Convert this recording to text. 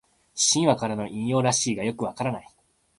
神話からの引用らしいがよくわからない